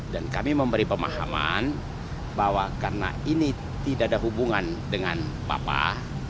dan kami memberi pemahaman bahwa karena ini tidak ada hubungan dengan bapak